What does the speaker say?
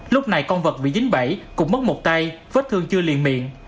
lúc này con vật bị dính bẫy cũng mất một tay vết thương chưa liền miệng miệng